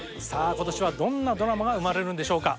今年はどんなドラマが生まれるんでしょうか？